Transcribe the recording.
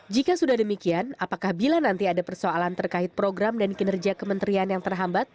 jika sudah demikian apakah bila nanti ada persoalan terkait program dan kinerja kementerian yang terhambat